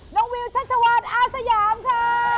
น้องวิวชาชาวัดอาสยามค่ะ